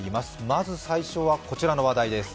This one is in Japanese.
まず最初はこちらの話題です。